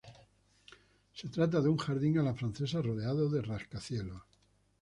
Se trata de un jardín a la francesa rodeado de rascacielos.